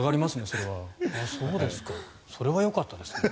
それはよかったですね。